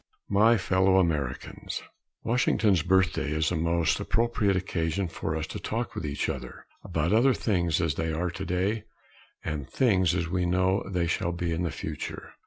My Fellow Americans: Washington's Birthday is a most appropriate occasion for us to talk with each other about things as they are today and things as we know they shall be in the future.